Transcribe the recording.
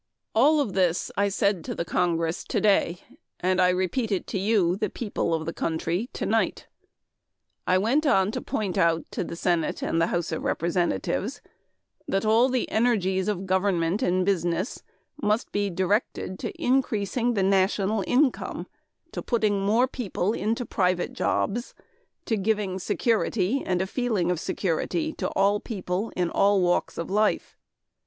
All of this I said to the Congress today and I repeat it to you, the people of the country tonight. I went on to point out to the Senate and the House of Representatives that all the energies of government and business must be directed to increasing the national income, to putting more people into private jobs, to giving security and a feeling of security to all people in all walks of life.